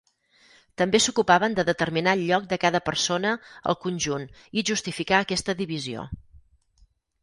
També s'ocupaven de determinar el lloc de cada persona al conjunt i justificar aquesta divisió.